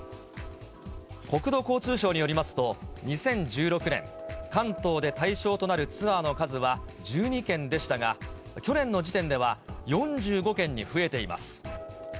国土交通省によりますと、２０１６年、関東で対象となるツアーの数は１２件でしたが、去年の時点では４５件に増えています。